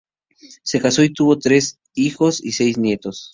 Se casó y tuvo tres hijos y seis nietos.